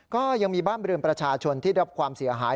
ก็ยังมีบ้านเรือนประชาชนที่รับความเสียหาย